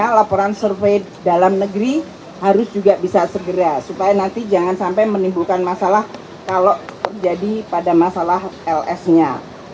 karena laporan survei dalam negeri harus juga bisa segera supaya nanti jangan sampai menimbulkan masalah kalau jadi pada masalah ls nya